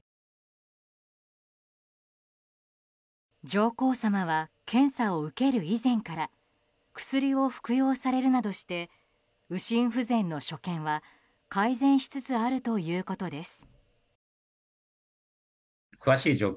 上皇さまは検査を受ける以前から薬を服用されるなどして右心不全の所見は改善しつつあるということです。